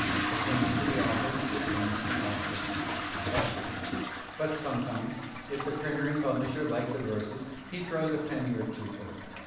The payment to the author is the same in all cases a shilling; but sometimes if the printer and publisher like the verses he "throws a penny or two over."